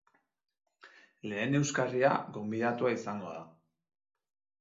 Lehen euskarria gonbidatua izango da.